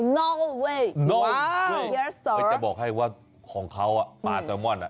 นอลเวย์นอลเวย์เจ้าบอกให้ว่าของเขาอ่ะปลาแซลมอนอ่ะ